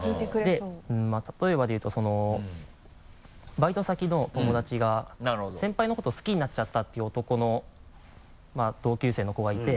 バイト先の友達が先輩のこと好きになっちゃったっていう男の同級生の子がいて。